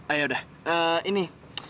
ayah udah ini